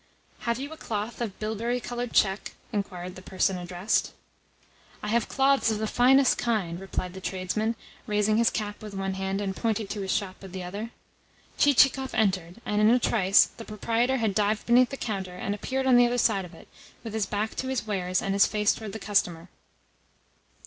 "Have you a cloth of bilberry coloured check?" inquired the person addressed. "I have cloths of the finest kind," replied the tradesman, raising his cap with one hand, and pointing to his shop with the other. Chichikov entered, and in a trice the proprietor had dived beneath the counter, and appeared on the other side of it, with his back to his wares and his face towards the customer.